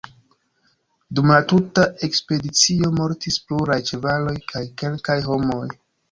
Dum la tuta ekspedicio mortis pluraj ĉevaloj kaj kelkaj homoj.